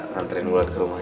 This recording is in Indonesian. nganterin bulat ke rumah ini